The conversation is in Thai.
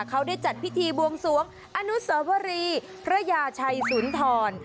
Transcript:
เขาได้จัดพิธีบวงสวงอนุสวรีพระยาชัยสุนทร